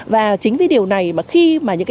và chính vì điều này mà khi mà những cái